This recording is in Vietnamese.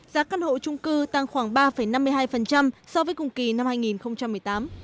giá căn hộ trung cư tăng khoảng ba năm mươi hai so với cùng kỳ năm hai nghìn một mươi tám